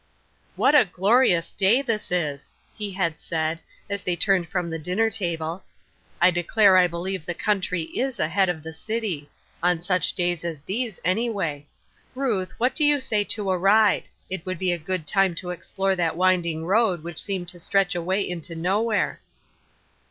" What a glorious day this is !" he had said, as they turned from the dinner table. " I deciare I beKeve the country is ahead of the city ! on such days as these, any way. Ruth, what do you say to a ride ? It would be a good time to explore that winding road which seemed to stretch away into nowhere."